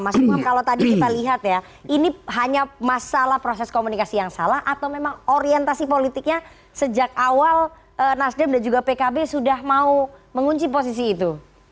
mas umam kalau tadi kita lihat ya ini hanya masalah proses komunikasi yang salah atau memang orientasi politiknya sejak awal nasdem dan juga pkb sudah mau mengunci posisi itu